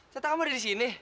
serta kamu udah di sini